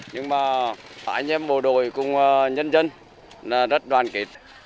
nhưng mà anh em bộ đội cùng nhân dân rất đoàn kết